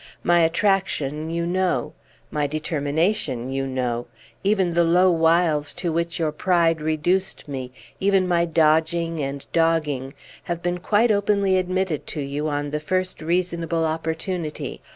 My attraction you know; my determination you know; even the low wiles to which your pride reduced me, even my dodging and dogging, have been quite openly admitted to you on the first reasonable opportunity.